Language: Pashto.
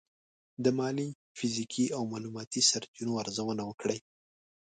د مالي، فزیکي او معلوماتي سرچینو ارزونه وکړئ.